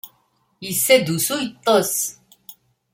Yessa-d usu yeṭṭes.